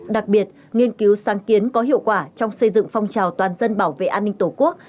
đặc biệt nghiên cứu sáng kiến có hiệu quả trong xây dựng phong trào toàn dân bảo vệ an ninh tổ quốc